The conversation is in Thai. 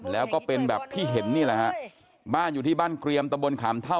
แล้วก็เป็นแบบที่เห็นนี่แหละฮะบ้านอยู่ที่บ้านเกรียมตะบนขามเท่า